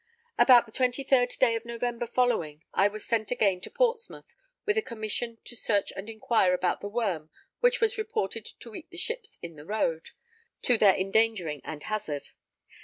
About the 23rd day of November following, I was sent again to Portsmouth with a commission to search and enquire about the worm which was reported to eat the ships in the Road, to their endangering and hazard.